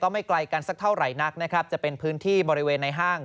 ไม่ไกลกันสักเท่าไหร่นักนะครับจะเป็นพื้นที่บริเวณในห้าง